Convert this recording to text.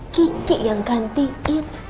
kiki yang gantiin